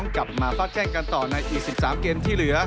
กลับมาฟาดแจ้งกันต่อในอีก๑๓เกมที่เหลือ